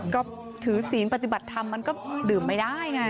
ก็ถือศีลปฏิบัติธรรมมันก็ดื่มไม่ได้ไง